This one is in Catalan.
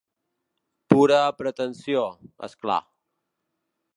Pura pretensió, és clar.